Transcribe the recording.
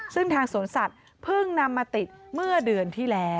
ซึ่งทางสวนสัตว์เพิ่งนำมาติดเมื่อเดือนที่แล้ว